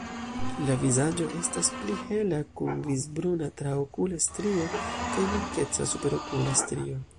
La vizaĝo estas pli hela kun grizbruna traokula strio kaj blankeca superokula strio.